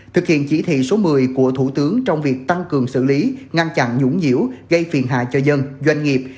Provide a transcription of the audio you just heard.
thực hiện chỉ thị số một mươi của thủ tướng trong việc tăng cường xử lý ngăn chặn nhũng nhiễu gây phiền hạ cho dân doanh nghiệp